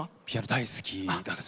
大好きです。